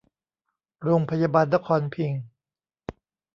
โรงพยาบาลนครพิงค์